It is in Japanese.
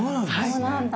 そうなんだ。